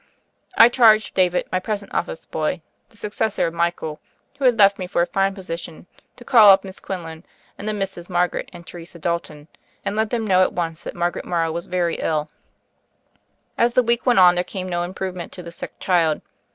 I charged David, my present office boy, the successor of Michael, who had left me for a fine position, to call up Miss Quinlan and the Misses Margaret and Teresa Dalton, and let them know at once that Margaret Morrow was very As the week went on there came no improve ment to the sick child.